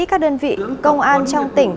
các đơn vị công an trong tỉnh